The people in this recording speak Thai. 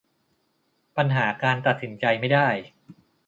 ปัญหาการตัดสินใจไม่ได้